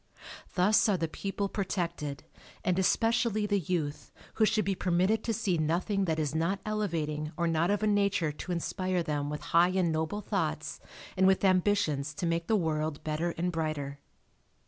Thus are the people protected and especially the youth who should be permitted to see nothing that is not elevating or not of a nature to inspire them with high and noble thoughts and with ambitions to make the world better and brighter.